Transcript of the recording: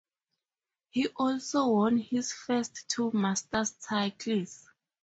He also won his first two Masters titles.